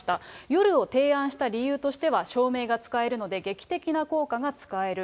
夜を提案した理由としては、照明が使えるので劇的な効果が使える。